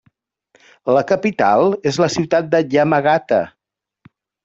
La capital és la ciutat de Yamagata.